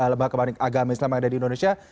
lembaga agama islam yang ada di indonesia